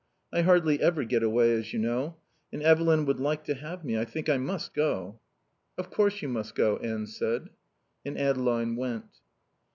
I hardly ever get away, as you know. And Evelyn would like to have me. I think I must go." "Of course you must go," Anne said. And Adeline went.